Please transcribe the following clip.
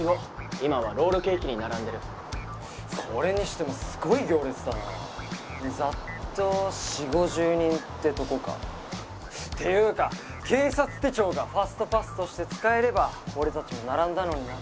今はロールケーキに並んでるそれにしてもすごい行列だなあざっと４０５０人ってとこかていうか警察手帳がファストパスとして使えれば俺達も並んだのにな